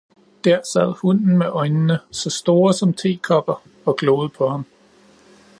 Dér sad hunden med øjnene, så store som tekopper og gloede på ham.